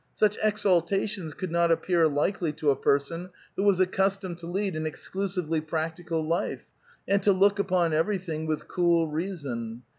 Such exaltations could not appear likely to a person who was accustomed to lead an exclusively practical life, and to look upon everything with cool reason.